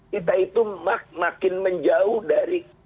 kita itu makin menjauh dari